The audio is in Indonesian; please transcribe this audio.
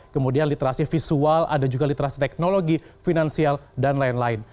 kemudian literasi visual ada juga literasi teknologi finansial dan lain lain